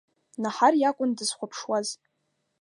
Наҳар иакәын дызхәаԥшуаз…